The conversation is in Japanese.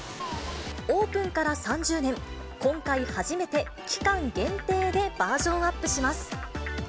オープンから３０年、今回初めて、期間限定でバージョンアップします。